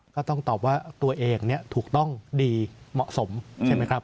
ก็ต้องตอบว่าตัวเองถูกต้องดีเหมาะสมใช่ไหมครับ